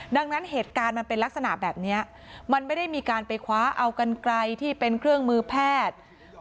ดังนั้นเหตุการณ์มันเป็นลักษณะแบบนี้มันไม่ได้มีการไปคว้าเอากันไกลที่เป็นเครื่องมือแพทย์